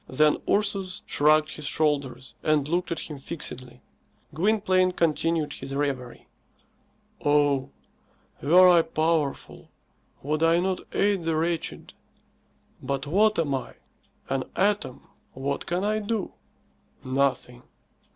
Then Ursus shrugged his shoulders and looked at him fixedly. Gwynplaine continued his reverie. "Oh; were I powerful, would I not aid the wretched? But what am I? An atom. What can I do? Nothing."